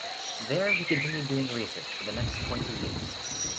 There he continued doing research for the next twenty years.